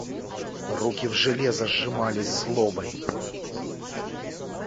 Руки в железо сжимались злобой.